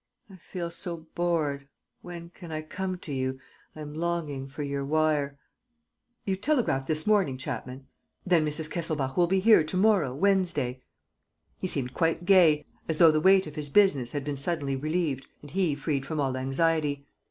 ... I feel so bored. ... When can I come to you? I am longing for your wire. ..." "You telegraphed this morning, Chapman? Then Mrs. Kesselbach will be here to morrow, Wednesday." He seemed quite gay, as though the weight of his business had been suddenly relieved and he freed from all anxiety.